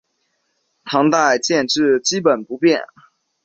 唐代建制基本不变。